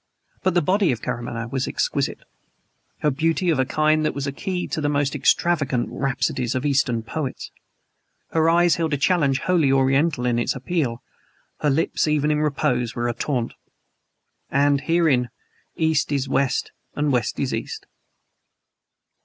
But the body of Karamaneh was exquisite; her beauty of a kind that was a key to the most extravagant rhapsodies of Eastern poets. Her eyes held a challenge wholly Oriental in its appeal; her lips, even in repose, were a taunt. And, herein, East is West and West is East.